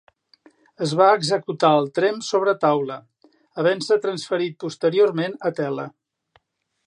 Es va executar al tremp sobre taula, havent-se transferit posteriorment a tela.